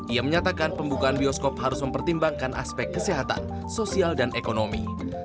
ia menyatakan pembukaan bioskop harus mempertimbangkan aspek kesehatan sosial dan ekonomi